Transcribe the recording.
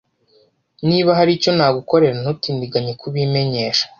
Niba hari icyo nagukorera, ntutindiganye kubimenyesha.